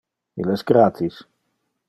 Il es gratis.